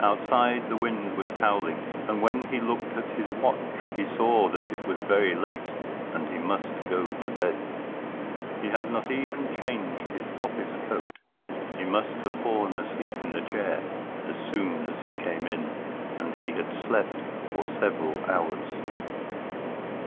Outside the wind was howling, and when he looked at his watch he saw that it was very late and he must go to bed. He had not even changed his office coat; he must have fallen asleep in the chair as soon as he came in, and he had slept for several hours. Certainly he had eaten no dinner, for he felt ravenous.